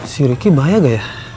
si ricky bahaya gak ya